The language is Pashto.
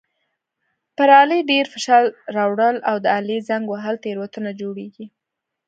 پر آلې ډېر فشار راوړل او د آلې زنګ وهل تېروتنه جوړوي.